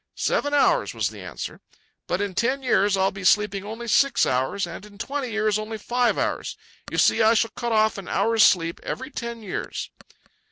"Seven hours," was the answer. "But in ten years I'll be sleeping only six hours, and in twenty years only five hours. You see, I shall cut off an hour's sleep every ten years."